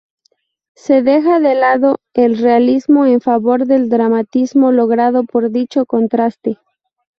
Se deja de lado el realismo en favor del dramatismo logrado por dicho contraste.